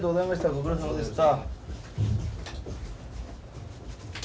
ご苦労さまでした。